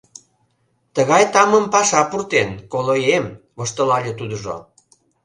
— Тыгай тамым паша пуртен, колоем, — воштылале тудыжо.